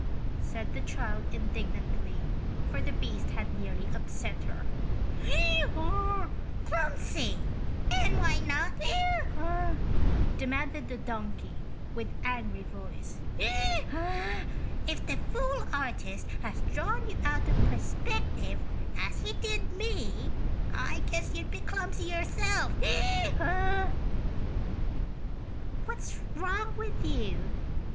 said the child, indignantly, for the beast had nearly upset her. "Clumsy! And why not?" demanded the donkey, with angry voice. "If the fool artist had drawn you out of perspective, as he did me, I guess you'd be clumsy yourself." "What's wrong with you?"